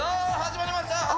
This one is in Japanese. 始まりました！